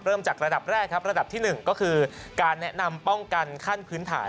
จากระดับแรกครับระดับที่๑ก็คือการแนะนำป้องกันขั้นพื้นฐาน